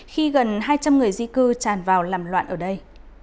khi gần hai trăm linh người di cư tràn vào làm loạn ở đây